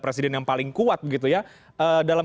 presiden yang paling kuat dalam